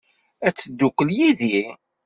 Ad teddukel yid-i?